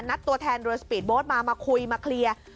ตัวแทนเรือสปีดโบ๊ทมามาคุยมาเคลียร์